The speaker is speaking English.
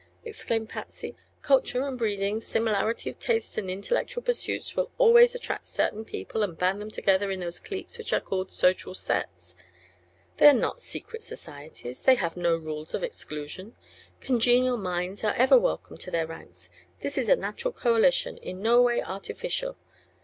exclaimed Patsy. "Culture and breeding, similarity of taste and intellectual pursuits will always attract certain people and band them together in those cliques which are called 'social sets,' They are not secret societies; they have no rules of exclusion; congenial minds are ever welcome to their ranks. This is a natural coalition, in no way artificial.